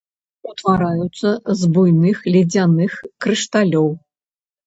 Утвараюцца з буйных ледзяных крышталёў.